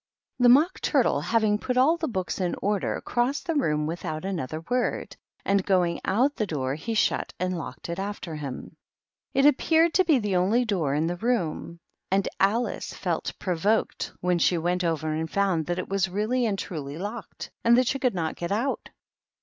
The Mock Turtle, having put all the books in order, crossed the room without another word, and, going out the door, he shut and locked it after him. It appeared to be the only door in the room, and Alice felt provoked when she v THE MOCK TURTLE. 229 went over and found that it was really and truly locked, and that she could not get out.